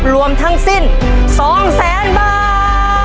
รวมทั้งสิ้น๒แสนบาท